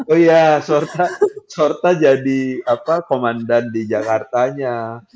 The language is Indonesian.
oh iya sorta jadi komandan di jakartanya